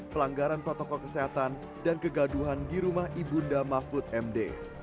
pelanggaran protokol kesehatan dan kegaduhan di rumah ibunda mahfud md